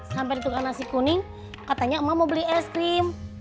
sampai ditukar nasi kuning katanya emak mau beli es krim